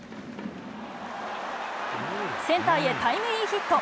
センターへタイムリーヒット。